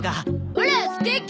オラステーキ！